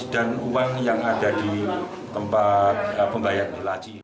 dan uang yang ada di tempat pembayaran